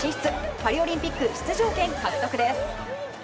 パリオリンピック出場権獲得です。